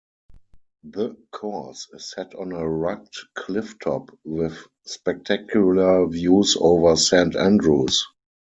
The course is set on a rugged-cliff top with spectacular views over Saint Andrews.